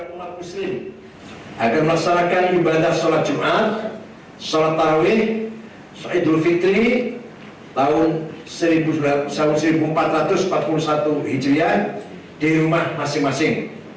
umat muslim akan melaksanakan ibadah sholat jumat sholat tarawih sholat idul fitri tahun seribu sembilan ratus empat puluh satu hijriah di rumah masing masing